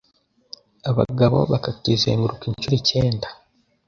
abagabo bakakizenguruka incuro icyenda,